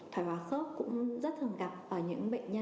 thói hóa khớp cũng rất thường gặp ở những bệnh nhân